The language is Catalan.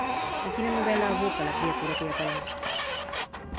A quina novel·la evoca la criatura que hi apareix?